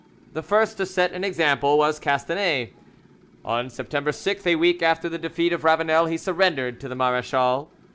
The first to set an example was Castanet. On September 6th, a week after the defeat of Ravanel, he surrendered to the marechal.